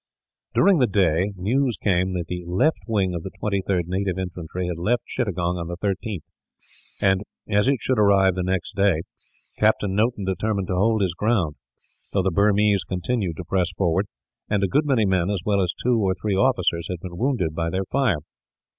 During the day news came that the left wing of the 23rd Native Infantry had left Chittagong on the 13th and, as it should arrive the next day, Captain Noton determined to hold his ground; though the Burmese continued to press forward, and a good many men, as well as two or three officers, had been wounded by their fire.